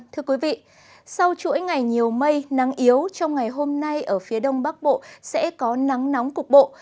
thưa quý vị sau chuỗi ngày nhiều mây nắng yếu trong ngày hôm nay ở phía đông bắc bộ sẽ có nắng nóng cục bộ